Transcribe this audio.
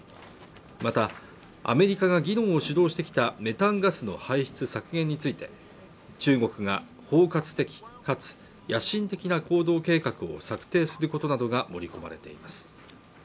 またアメリカが議論を主導してきたメタンガスの排出削減について中国が包括的かつ野心的な行動計画を策定することなどが盛り込まれています